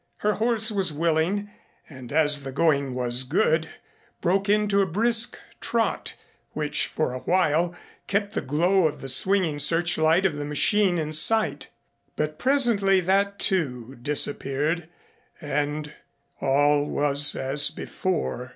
Her horse was willing, and as the going was good broke into a brisk trot which for a while kept the glow of the swinging searchlight of the machine in sight. But presently that, too, disappeared and all was as before.